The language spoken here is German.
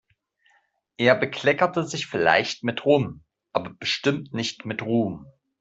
Er bekleckert sich vielleicht mit Rum, aber bestimmt nicht mit Ruhm.